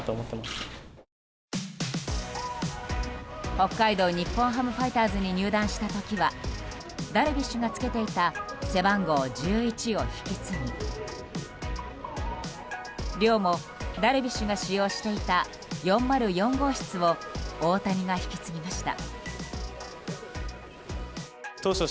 北海道日本ハムファイターズに入団した時はダルビッシュがつけていた背番号１１を引き継ぎ寮もダルビッシュが使用していた４０４号室を大谷が引き継ぎました。